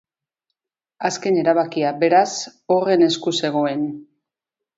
Azken erabakia, beraz, horren esku zegoen.